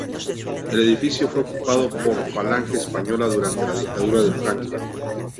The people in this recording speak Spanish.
El edificio fue ocupado por Falange Española durante la dictadura de Franco.